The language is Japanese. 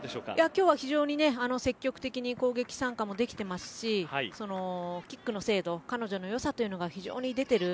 今日は非常に積極的に攻撃参加もできていますしキックの精度、彼女の良さというのが非常に出ている。